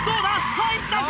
入ったか？